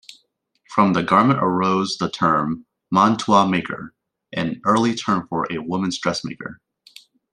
From this garment arose the term "mantua-maker", an early term for a women's dressmaker.